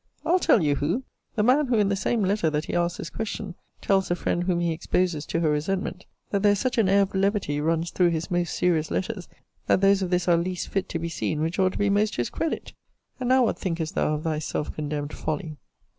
I'll tell you who the man who, in the same letter that he asks this question, tells the friend whom he exposes to her resentment, 'That there is such an air of levity runs through his most serious letters, that those of this are least fit to be seen which ought to be most to his credit:' And now what thinkest thou of thyself condemned folly?